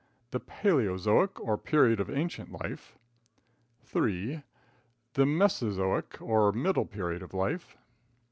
The Palaeozoic or period of ancient life. 3. The Mesozoic or middle period of life.